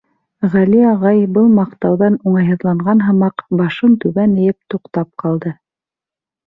Ғәли ағай, был маҡтауҙан уңайһыҙланған һымаҡ, башын түбән эйеп, туҡтап ҡалды.